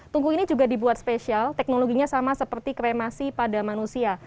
tunggu ini juga dibuat spesial teknologinya sama seperti kremasi pada manusia